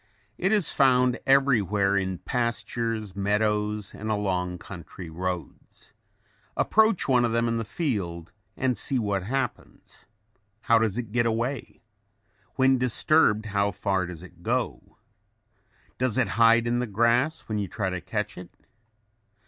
It is found everywhere in pastures, meadows and along country roads. Approach one of them in the field and see what happens. How does it get away? When disturbed, how far does it go? Does it hide in the grass when you try to catch it?